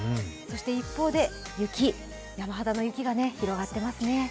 一方で、山肌の雪が広がっていますね。